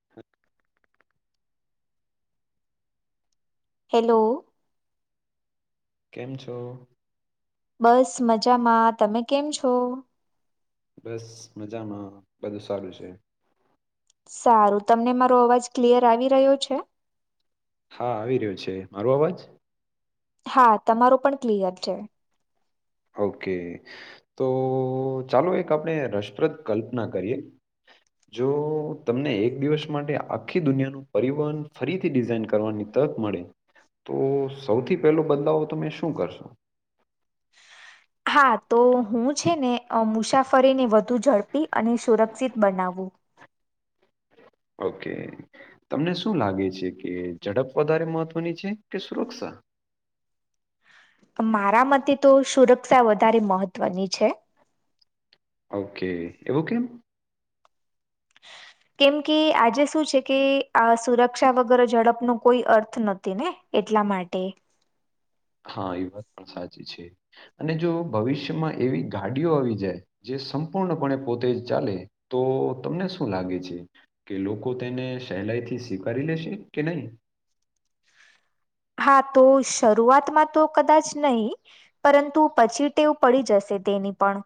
[inaudible] Hello. કેમ છો? બસ મજામાં, તમે કેમ છો? બસ મજામાં બધું સારું છે. સારું, તમને મારો અવાજ ક્લિયર આવી રહ્યો છે? હા આવી રહ્યો છે મારો અવાજ્ હા તમારો પણ ક્લિયર છે. ઓકે તો ચાલો એક આપણે રસપ્રદ કલ્પના કરીએ. જો તમને એક દિવસ માટે આખી દુનિયાનું પરિવહન ફરીથી ડિઝઇન કરવાની તક મળે તો સૌથી પહેલો બદલાવ તમે શું કરશો્ હા તો હું છે ને અ મુસાફરીને વધુ ઝડપી અને સુરક્ષિત બનાવું. ઓકે તમને શું લાગે છે કે ઝડપ વધારે મહત્વની છે કે સુરક્ષા. મારા મતે તો સુરક્ષા વધારે મહત્વની છે. ઓકે એવું કેમ. [inaudible] [unintelligible] કેમ કે આજે શું છે કે આ સુરક્ષા વગર ઝડપ નો કોઈ અર્થ નથી ને. એટલા માટે. હા એ વાત પણ સાચી છે અને જો ભવિષ્યમાં એવી ગાડીઓ આવી જાય. જે સંપૂર્ણપણે પોતે ચાલે તો તમને શું લાગે છે. કે લોકો તેને સહેલાઈ થી સ્વીકારી લેશે કે નહી. હા તો શરૂઆતમાં તો કદાચ નહી. પરંતુ પછી ટેવ પડી જશે તેની પણ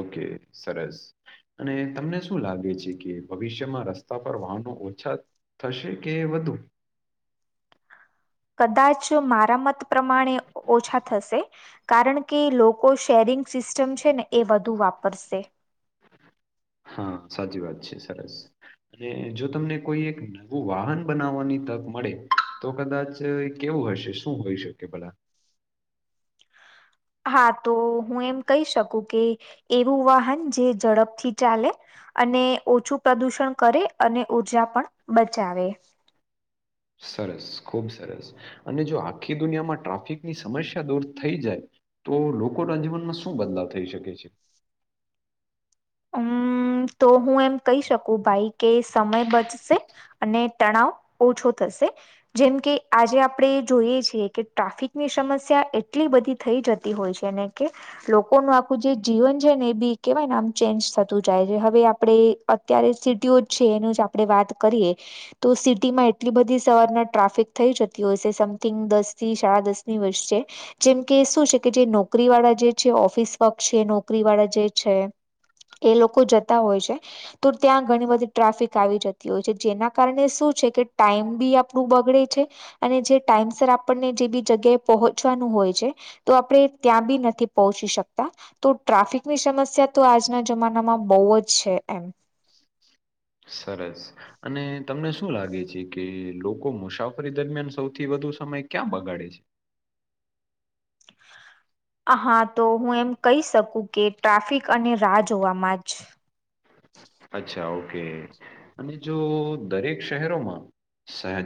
ઓકે સરસ અને તમને શું લાગે છે કે ભવિષ્યમાં રસ્તા પર વાહનો ઓછા થશે કે વધુ કદાચ મારા મત પ્રમાણે ઓછા થશે. કારણ કે લોકો શેરિંગ સિસ્ટમ છે ને એ વધુ વાપરશે. હા સાચી વાત છે સરસ અને જો તમને કોઈ એક નવું વાહન બનાવવાની તક મળે તો કદાચ તે હવે કેવું હશે શું હોઈ શકે ભલા હા તો હું એમ કહી શકું કે એવું વાહન જે ઝડપથી ચાલે અને ઓછું પ્રદુષણ કરે અને ઉર્જા પણ બચાવે. સરસ ખુબ સરસ અને જો આખી દુનિયામાં ટ્રાફિકની સમસ્યા દૂર થઈ જાય. તો લોકો ના જીવનમાં શું બદલાવ થઈ શકે છે. હમ તો હું એમ કહી શકું ભાઈ કે સમય બચશે. અને તણાવ ઓછો થશે. જેમ કે આજે આપણેે જોઈએ છીએ કે ટ્રાફિકની સમસ્યા એટલી બધી થઈ જતી હોય છે એને કે લોકોનું આખું જે જીવન છે ને એ બી કેવાય ને આમ ચેન્જ થતું જાય છે હવે આપણે અત્યારે સિટીઓ જ છે એનું જ આપણે વાત કરીએ. તો સિટીમાં એટલી બધી સવારના ટ્રાફિક થઈ જતી હોય છે સમથિંગ દસ થી સાડા દસ ની વચ્ચે જેમ કે શું છે કે જે નોકરી વાળા જે છે ઓફિસ વર્ક છે નોકરી વાળા જે છે. એ લોકો જતા હોય છે. તો ત્યાં ઘણી બધી ટ્રાફિક આવી જતી હોય છે જેના કારણે શું છે કે ટાઈમ બી આપણું બગડે છે. અને જે ટાઈમ સર આપણને જે બી જગ્યાએ પહોંચવાનું હોય છે. તો આપણે ત્યાં બી નથી પહોંચી શકતા તો ટ્રાફિકની સમસ્યા તો આજના જમાનામાં બહુ જ છે એમ સરસ. અને તમને શું લાગે છે કે લોકો મુસાફરી દરમિયાન સૌથી વધુ સમય ક્યાં બગાડે છે? હા તો હું એમ કહી શકું કે ટ્રાફિક અને રાહ જોવામાં જ અચ્છા ઓકે અને જો દરેક શહેરોમાં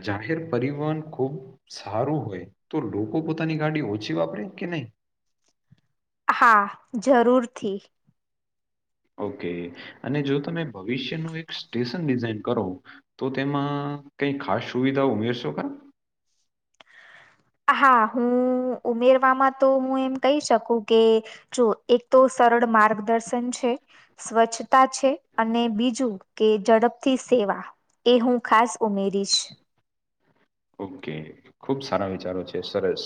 જાહેર પરિવહન ખૂબ સારું હોય તો લોકો પોતાની ગાડી ઓછી વાપરે કે નહી હા જરૂરથી. ઓકે અને જો તમે ભવિષ્યનું એક સ્ટેશન ડિઝાઇન કરો. તો તેમાં કઈ ખાસ સુવિધા ઉમેરશો હા હું ઉમેરવામાં તો હું એમ કહી શકું કે જો એક તો સરળ માર્ગદર્શન છે. સ્વચ્છતા છે અને બીજું કે ઝડપથી સેવા એ હું ખાસ ઉમેરીશ. ઓકે ખુબ સારા વિચારો છે સરસ.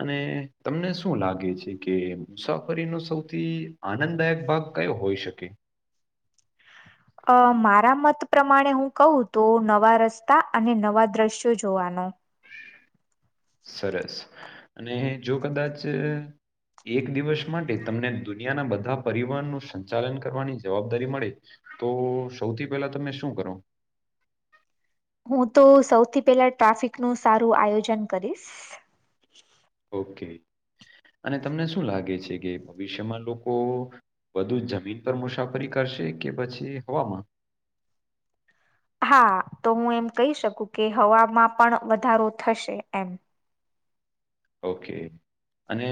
અને તમને શું લાગે છે કે મુસાફરીનો સૌથી આનંદદાયક ભાગ કયો હોઈ શકે? અ મારા મત પ્રમાણે હું કહું તો નવા રસ્તા અને નવા દ્રશ્યો જોવાનો. સરસ અને જો કદાચ એક દિવસ માટે તમને દુનિયાના બધા પરિવહનું સંચાલન કરવાની જવાબદારી મળે. તો સૌથી પહેલા તમે શું કરો? હું તો સૌથી પેલા ટ્રાફિકનું સારું આયોજન કરીશ. ઓકે અને તમને શું લાગે છે કે ભવિષ્યમાં લોકો બધું જમીન પર મુસાફરી કરશે કે પછી હવામા હા તો હું એમ કહી શકું કે હવામાં પણ વધારો થશે એમ. ઓકે. અને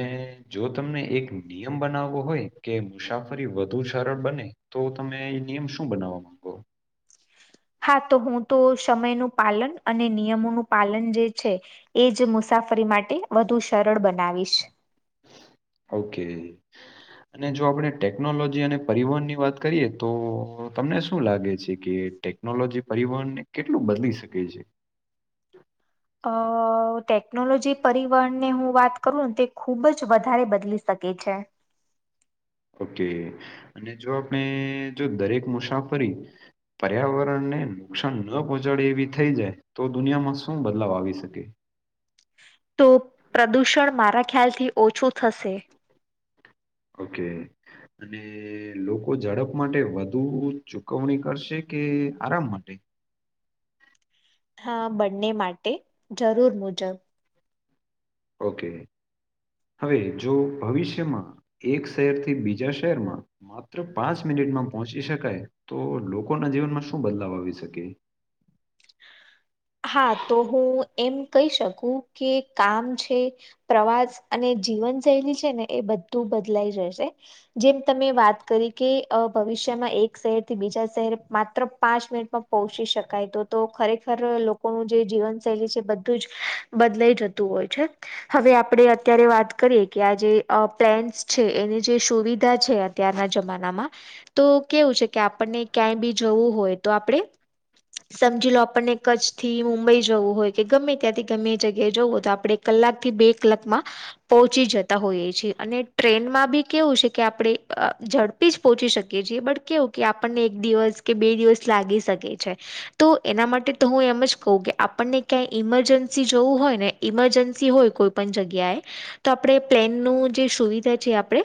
જો તમને એક નિયમ બનાવવો હોય કે મુસાફરી વધુ સરળ બને તો તમે નિયમ શું બનાવવા માંગો. હા તો હું તો સમયનું પાલન અને નિયમોનું પાલન જે છે. એજ મુસાફરી માટે વધુ સરળ બનાવીશ. ઓકે. અને જો આપણે ટેકનોલોજી અને પરિવહન ની વાત કરીએ તો તમને શું લાગે છે ટે ટેકનોલોજી પરિવહન ને કેટલું બદલી શકે છે. અ ટેકનોલોજી પરિવહન ની હું વાત કરું ને તે ખૂબ જ વધારે બદલી શકે છે. ઓકે અને જો આપણે જો દરેક મુસાફરી પર્યાવરણને નુકસાન ન પહોંચાડે એવી થઈ જાય તો દુનિયામાં શું બદલાવ આવી શકે. તો પ્રદૂષણ મારા ખ્યાલથી ઓછું થશે. ઓકે. અને લોકો ઝડપ માટે વધુ ચુકવણી કરશે કે આરામ માટે. હા બંને માટે જરૂર મુજબ. ઓકે હવે જો ભવિષ્યમાં એક શહેર થી બીજા શહેરમાં. માત્ર પાંચ મિનિટમાં પહોંચી શકાય તો લોકોના જીવનમાં શું બદલાવ આવી શકે [inaudible] હા તો હું એમ કહી શકું કે કામ છે. પ્રવાસ અને જીવન શૈલી છે ને એ બધું બદલાઈ જશે. જેમ તમે વાત કરી કે ભવિષ્યમાં એક શહેર થી બીજા શહેર માત્ર પાંચ મિનિટમાં પહોચી શકાય તો. તો ખરેખર લોકોનું જે જીવનશૈલી છે બધું જ, બદલાઈ જતું હોય છે. હવે આપડે અત્યારે વાત કરીએ કે આ જે પ્લેન્ટસ છે એની જે સુવિધા છે. અત્યારના જમાનામાં, તો કેવું છે કે આપણને ક્યાંય બી જવું હોય તો આપણે સમજી લો આપણને કચ્છ થી મુંબઈ જવું હોય કે ગમે ત્યાંથી ગમે જગ્યાએ જવું હોય તો આપડણે કલાક થી બે કલાકમાં પહોંચી જતા હોઈએ છ છેીએ અને ટ્રેનમાં બી કેવું છે કે આપણે જડબ પહોંચી શકીએ છીએ બટ કેવું કે આપણને એક દિવસ કે બે દિવસ લાગી શકે છે. તો એના માટે તો હું એમ જ કહું કે આપણને ક્યાંય ઇમરજન્સી જવું હોય ને ઈમરજન્સી હોય કોઈ પણ જગ્યાએ તો આપણે પ્લેનનું જે સુવિધા છે આપણે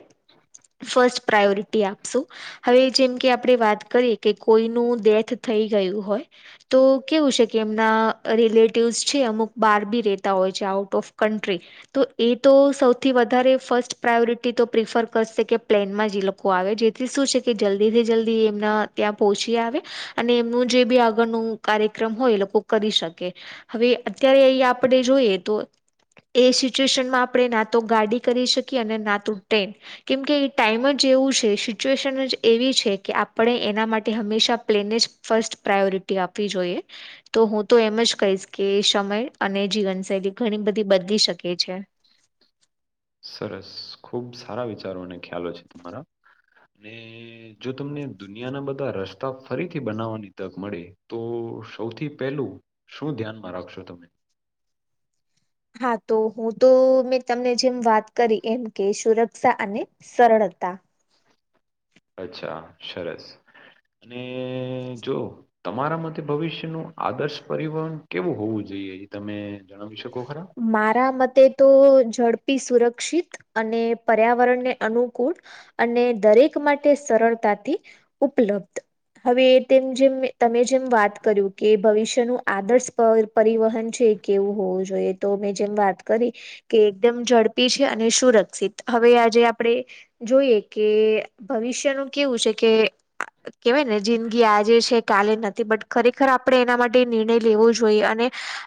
ફસ્ટ પ્રાયોરિટી આપશું. હવે જેમ કે આપણે વાત કરીએ કે કોઈનું ડેથ થઈ ગયું હોય. તો કેવું છે કે એમના રિલેટિવ્સ છે અમુક બહાર બી રહેતા હોય છે આઉટ ઓફ કન્ટ્રી. તો એ તો સૌથી વધારે ફર્સ્ટ પ્રાયોરિટી તો પ્રિફર કરશે કે પ્લેનમાં જ લોકો આવે જેથી શું છે કે જલ્દીથી જલ્દી એમના ત્યાં પહોચી આવે, અને એમનું જે બી કાર્યક્રમ હોય એ લોકો કરી શકે, હવે અત્યારે અહી આપણે જોઈએ તો. એ સિચ્યુએશનમાં આપણે ના તો ગાડી કરી શકીએ અને ના તો ટ્રેન. કેમકે એ ટાઈમ જ એવું છે સિચ્યુએશન જ એવી છે કે આપણે એના માટે હંમેશા પ્લેને જ ફસ્ટ પ્રાયોરિટી આપવી જોઈએ. તો હું તો એમ જ કહીશ કે સમય અને જીવનશૈલી ઘણી બધી બદલી શકે છે સરસ, ખુબ સારા વિચારો અને ખ્યાલો છે તમારા ને જો તમને દુનિયાના બધા રસ્તા ફરીથી બનાવવાની તક મળે તો સૌથી પહેલું શું ધ્યાનમાં રાખશો તમે હા, તો હું તો મેં તમને જેમ વાત કરી એમ કે સુરક્ષા અને સરળતા અચ્છા સરસ અને જો તમારા માટે ભવિષ્ય નુ આદર્શ પરિવહન કેવું હોવું જોઈએ એ તમે જણાવી શકો ખરા મારા મતે તો ઝડપી, સુરક્ષિત અને પર્યાવરણને અનુકૂળ અને દરેક માટે સરળતાથી ઉપલબ્ધ હવે તેમ જેમ તમે જેમ વાત કર્યું કે ભવિષ્યનું આદર્શ પર પરિવહન છે કેવું હોવું જોઈએ તો મે જેમ વાત કરી કે એકદમ ઝડપી છે અને સુરક્ષિત હવે આજે આપણે જોઈએ કે ભવિષ્યનું કેવું છે કે કેવાય ને જિંદગી આજે છે કાલે નથી બટ ખરેખર આપણે એના માટે નિર્ણય લેવો જોઈએ અને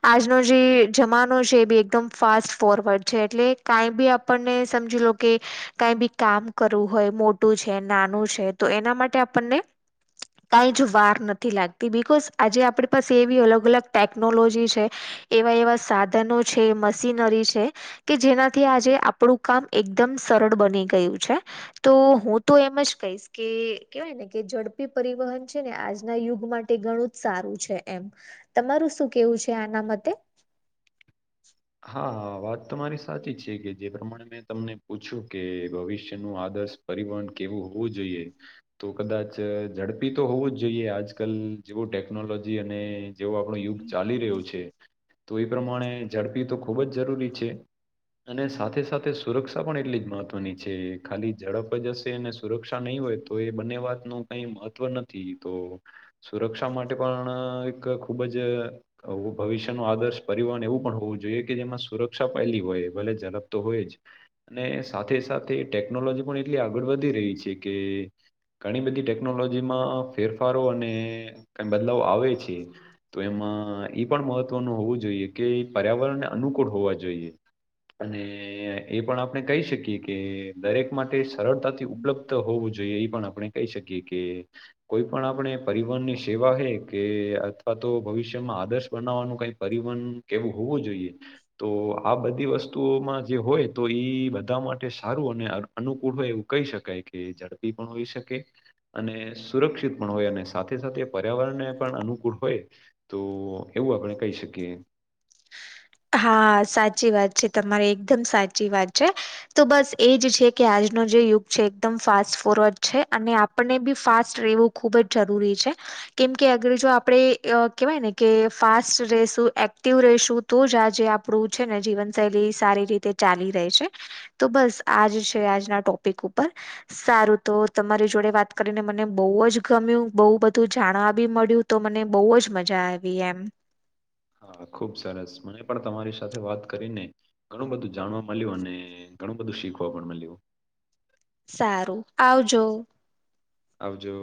આજનો જે જમા છે બ એકદમ ફાસ્ટ ફોરવર્ડ છે એટલે કાઈ બી આપણને સમજી લો કે કાઈ બી કામ કરવું હોય મોટું છે નાનું છે તો એના માટે આપણને કાઈ જ વાર નથી લાગતી બિકોઝ આજે આપણી પાસે એવી અલગ અલગ ટેકનોલોજી છે એવા એવા સાધનો છે, મશીનરી છે કે જેનાથી આજે આપણું કામ એકદમ સરળ બની ગયું છે તો હું તો એમ જ કહીશ કે કેવાયને કે ઝડપી પરિવહન છે ને આજના યુગ માટે ઘણું જ સારું છે એમ તમારું શું કેવું છે આનામતે. હા વાત તો મારી સાચી જ છે કે જે પ્રમાણે મેં તમને પૂછ્યું કે ભવિષ્ય ન આદર્શ. પરિવહન કેવું હોવું જોઈએ તો કદાચ ઝડપી તો હોવું જ જોઈએ આજ કલ જેવું ટેકનોલોજી અને જેવો આપણો યુગ ચાલી રહ્યો છે તો એ પ્રમાણે ઝડપી તો ખૂબ જ જરૂરી છે. અને સાથે સાથે સુરક્ષા પણ એટલી જ મહત્વની છે. ખાલી ઝડપ જ હશે અને સુરક્ષા નહીં હોય તો એ બંને વાત ન કઈ મહત્વ નથી. તો સુરક્ષા માટે પણ એક ખૂબ જ ભવિષ્ય ન આદર્શ પરિવહન એવું પણ હોવું જોઈએ. જોઈએ કે જેમાં સુરક્ષા પહેલી હોય ભલે ઝડપ તો હોય જ અને સાથે સાથે ટેકનોલોજી પણ એટલી આગળ વધી રહી છે કે ઘણી બધી ટેકનોલોજીમાં ફેરફારો અને કઈ બદલાવ આવે છે. તો એમાં એ પણ મહત્વનું હોવું જોઈએ કે પર્યાવરણ અનુકૂળ હોવા જોઈએ અને એ પણ આપણે કહી શકીએ કે દરેક માટે સરળતાથી ઉપલબ્ધ હોવું જોઈએ એ પણ આપણે કહી શકીએ કે કોઈ પણ આપણે પરિવહનની સેવા હ કે અથવા તો ભવિષ્યમાં આદર્શ બનાવવાનું કઈ પરિવહન કેવું હોવું જોઈએ. તો આ બધી વસ્તુઓમાં જે હોય તો ઈ બધા માટે સારું અને અનુકૂળ હોય એવું કહી શકાય કે ઝડપી પણ હોઈ શકે. અને સુરક્ષિત પણ હોય અને સાથે સાથે પર્યાવરણને પણ અનુકૂળ હોય. તો એવું આપણે કહી શકીએ. હા સાચી વાત છે તમારી એકદમ સાચી વાત છે. તો બસ એજ છે કે આજનો જે યુગ છે એકદમ ફાસ્ટ ફોરવર્ડ છે અને આપને બી ફાસ્ટ રહેવું ખૂબ જ જરૂરી છે. કેમ કે અગર જો આપણે કહેવાય ને કે ફાસ્ટ રશું એક્ટિવ રશું. તો જ આજે આપણું છે ને જીવનશૈલી સારી રીતે ચાલી રહી છે. તો બસ આજ છે આજના ટોપિક ઉપર. સારું તો તમારી જોડે વાત કરીને મને બહુ જ ગમ્યું બહુ બધું જાણવા બી મળ્યું. તો મને બહુ જ મજા આવી એમ. હા ખુબ સરસ મને પણ તમારી સાથે વાત કરીને ઘણું બધું જાણવા મળ્યું અને ઘણું બધું શીખવા પણ મળ્યું. સારું આવજો. આવજો.